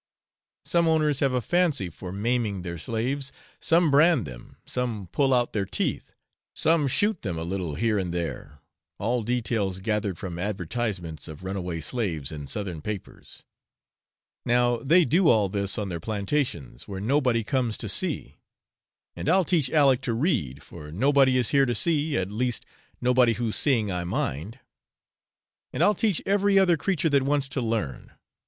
Some owners have a fancy for maiming their slaves, some brand them, some pull out their teeth, some shoot them a little here and there (all details gathered from advertisements of runaway slaves in southern papers); now they do all this on their plantations, where nobody comes to see, and I'll teach Aleck to read, for nobody is here to see, at least nobody whose seeing I mind; and I'll teach every other creature that wants to learn.